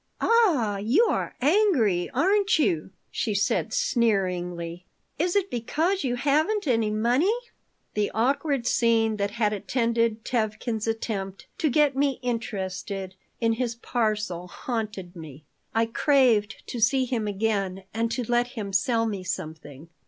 "Ah, you are angry, aren't you?" she said, sneeringly. "Is it because you haven't any money?" The awkward scene that had attended Tevkin's attempt to get me interested in his parcel haunted me. I craved to see him again and to let him sell me something.